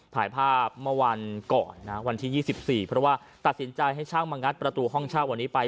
ถ่ายภาพเมื่อวันก่อนนะวันที่๒๔เพราะว่าตัดสินใจให้ช่างมางัดประตูห้องเช่าวันนี้ไป